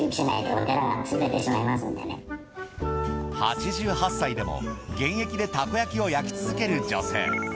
８８歳でも現役でたこ焼きを焼き続ける女性。